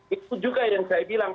itu juga yang saya bilang